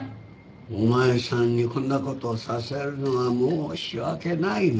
お前さんにこんなことをさせるのは申し訳ないが。